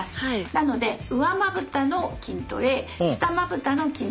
なので上まぶたの筋トレ下まぶたの筋トレ。